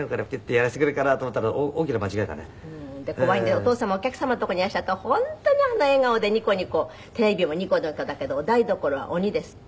お父様お客様の所にいらっしゃると本当にあの笑顔でニコニコテレビもニコニコだけどお台所は鬼ですって？